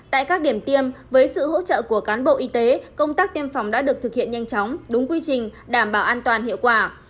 tại các điểm tiêm với sự hỗ trợ của cán bộ y tế công tác tiêm phòng đã được thực hiện nhanh chóng đúng quy trình đảm bảo an toàn hiệu quả